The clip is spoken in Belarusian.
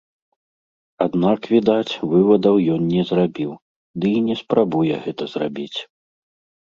Аднак, відаць, вывадаў ён не зрабіў, ды і не спрабуе гэта зрабіць.